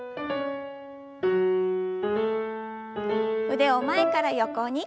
腕を前から横に。